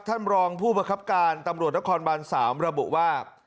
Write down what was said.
ท่านรองผู้ประคับการตำรวจนครบาน๓ระบุว่า